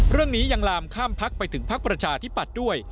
เรื่องนี้ยังลามข้ามพักไปถึงพักประชาธิปัตย์ด้วย